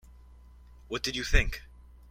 What did you think?